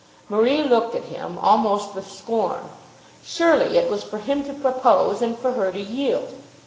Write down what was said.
Marie looked at him, almost with scorn. Surely it was for him to propose and for her to yield.